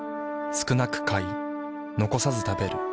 少なく買い残さず食べる。